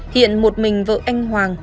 hiện một mình vợ anh hoàng